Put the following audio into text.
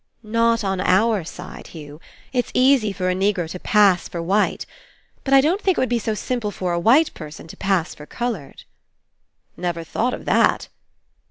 "Not on our side, Hugh. It's easy for a Negro to 'pass' for white. But I don't think 141 PASSING it would be so simple for a white person to *pass' for coloured." *'Never thought of that."